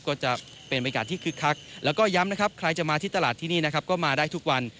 ก็จะเป็นบรรยากาศที่คึกคักแล้วก็ย้ำนะครับใครจะมาที่ตลาดที่นี่นะครับก็มาได้ทุกวัน